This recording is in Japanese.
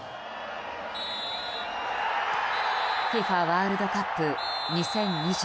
ＦＩＦＡワールドカップ２０２２。